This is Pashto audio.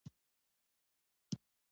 شته مني لکه لولۍ چي د سړي غیږي ته لویږي